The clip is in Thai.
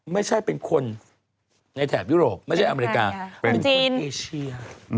ไม่ใช่เป็นคนในแถบยุโรปไม่ใช่อเมริกาเป็นคนเอเชีย